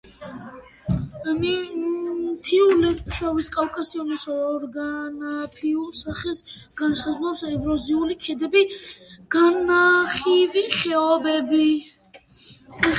მთიულეთ-ფშავის კავკასიონის ოროგრაფიულ სახეს განსაზღვრავს ეროზიული ქედები გა განივი ხეობები.